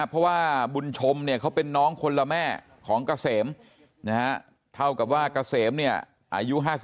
เพราะว่าบุญชมเนี่ยเขาเป็นน้องคนละแม่ของเกษมเท่ากับว่าเกษมเนี่ยอายุ๕๓